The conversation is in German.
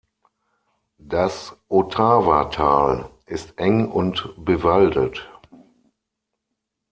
Das Otava-Tal ist eng und bewaldet.